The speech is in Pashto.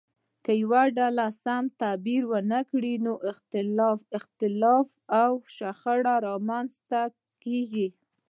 که یوه ډله سم تعبیر ونه کړي نو اختلاف او شخړه رامنځته کیږي.